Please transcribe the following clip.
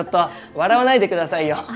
笑わないで下さいよ。